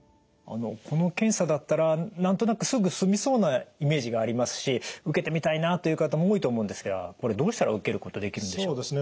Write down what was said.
この検査だったら何となくすぐ済みそうなイメージがありますし受けてみたいなという方も多いと思うんですがこれどうしたら受けることできるんでしょうか？